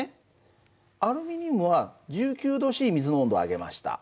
アルミニウムは１９℃水の温度を上げました。